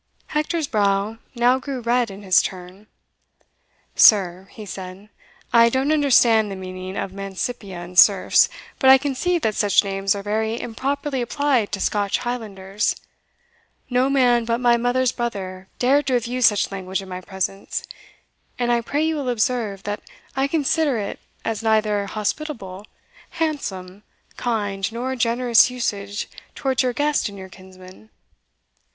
Hector's brow now grew red in his turn. "Sir," he said, "I don't understand the meaning of Mancipia and Serfs, but I conceive that such names are very improperly applied to Scotch Highlanders: no man but my mother's brother dared to have used such language in my presence; and I pray you will observe, that I consider it as neither hospitable, handsome, kind, nor generous usage towards your guest and your kinsman.